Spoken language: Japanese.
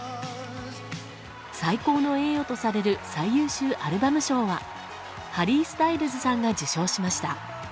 最高の栄誉とされる最優秀アルバム賞はハリー・スタイルズさんが受賞しました。